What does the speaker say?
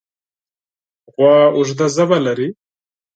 غوا اوږده ژبه لري.